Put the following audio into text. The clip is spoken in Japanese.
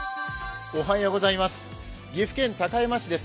岐阜県高山市です。